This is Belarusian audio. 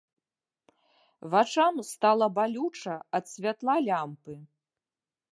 Вачам стала балюча ад святла лямпы.